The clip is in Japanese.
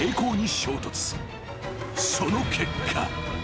［その結果］